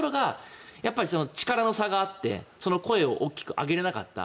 やっぱり、力の差があってその声を大きく上げられなかった。